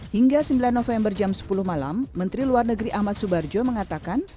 hingga sembilan november jam sepuluh malam menteri luar negeri ahmad subarjo mengatakan